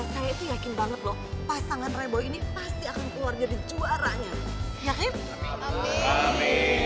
saya yakin banget loh pasangan reboy ini pasti akan keluar jadi juaranya yakin